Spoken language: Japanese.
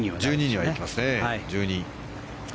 １２には行きますね。